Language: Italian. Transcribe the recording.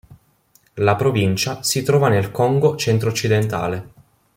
La provincia si trova nel Congo centro-occidentale.